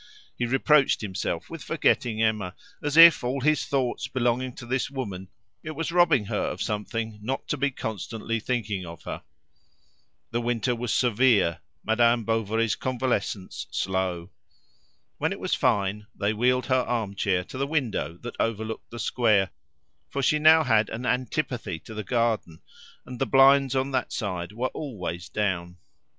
He reproached himself with forgetting Emma, as if, all his thoughts belonging to this woman, it was robbing her of something not to be constantly thinking of her. The winter was severe, Madame Bovary's convalescence slow. When it was fine they wheeled her arm chair to the window that overlooked the square, for she now had an antipathy to the garden, and the blinds on that side were always down.